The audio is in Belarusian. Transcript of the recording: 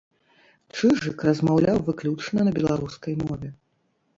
Чыжык размаўляў выключна на беларускай мове.